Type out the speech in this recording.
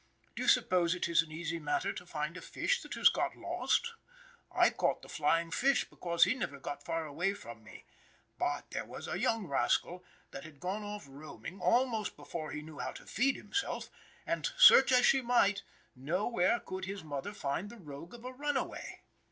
Do you suppose it is an easy matter to find a fish that has got lost? I caught the flying fish because he never got far away from me. But here was a young rascal that had gone off roaming, almost before he knew how to feed himself, and search as she might, nowhere could his mother find the rogue of a runaway.